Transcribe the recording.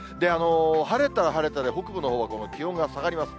晴れたら晴れたで、北部のほうは気温が下がります。